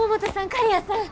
刈谷さん！